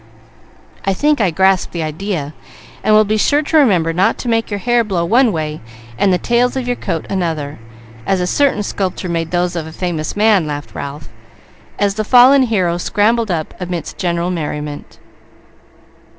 "I think I grasp the idea, and will be sure to remember not to make your hair blow one way and the tails of your coat another, as a certain sculptor made those of a famous man," laughed Ralph, as the fallen hero scrambled up, amidst general merriment.